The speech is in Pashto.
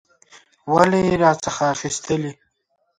ولي یې راڅخه اخیستلې؟